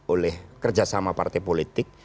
oleh kerja sama partai